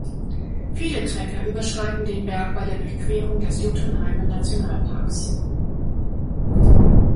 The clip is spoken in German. Viele Trekker überschreiten den Berg bei der Durchquerung des Jotunheimen Nationalparks.